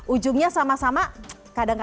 ujungnya sama sama kadang kadang